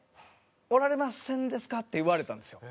おられませんですか？」って言われたんですよ。